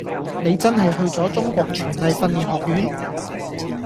你真係去咗中國廚藝訓練學院？